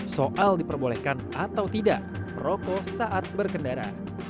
soal diperbolehkan atau tidak merokok saat berkendara